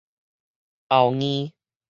後硬